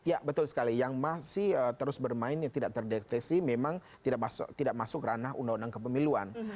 ya betul sekali yang masih terus bermain yang tidak terdeteksi memang tidak masuk ranah undang undang kepemiluan